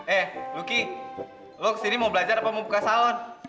eh luki luks ini mau belajar apa mau buka salon